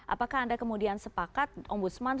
apakah anda kemudian sepakat om busman